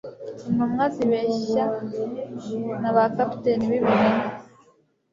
Intumwa zibeshya na ba capitaine b'ibinyoma